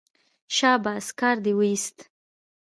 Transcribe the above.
شاباس کار دې وایست.